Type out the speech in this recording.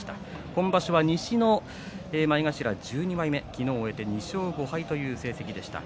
今場所は西の前頭１２枚目昨日を終えて２勝５敗という成績でした。